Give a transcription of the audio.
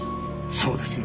そうですよ。